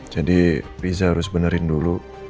jadi riza harus benerin dulu